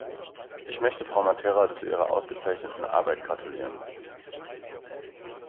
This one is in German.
Ich möchte Frau Matera zu ihrer ausgezeichneten Arbeit gratulieren.